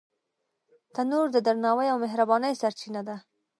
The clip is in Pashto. تنور د درناوي او مهربانۍ سرچینه ده